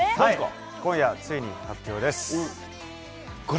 今夜、ついに発表です。